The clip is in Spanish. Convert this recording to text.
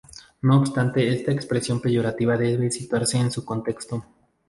No obstante, esta expresión peyorativa debe situarse en su contexto.